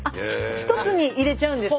一つに入れちゃうんですか？